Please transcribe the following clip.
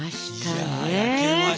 いや焼けました！